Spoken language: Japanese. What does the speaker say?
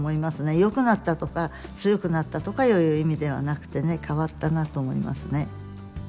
よくなったとか強くなったとかいう意味ではなくてね変わったなと思いますね。